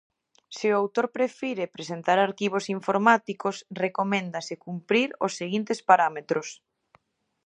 Se o autor prefire presentar arquivos informáticos, recoméndase cumprir os seguintes parámetros.